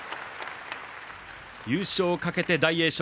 優勝をかけて大栄翔。